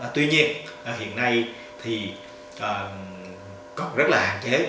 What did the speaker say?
tuy nhiên hiện nay thì còn rất là hạn chế